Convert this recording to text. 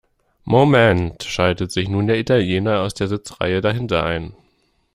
Moment!, schaltet sich nun der Italiener aus der Sitzreihe dahinter ein.